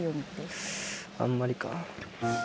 あんまりか。